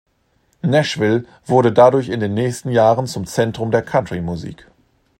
Nashville wurde dadurch in den nächsten Jahren zum Zentrum der Country-Musik.